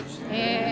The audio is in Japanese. へえ。